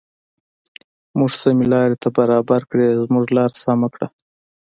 موږ سمې لارې ته برابر کړې زموږ لار سمه کړه.